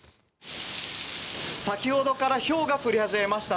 先ほどからひょうが降り始めました。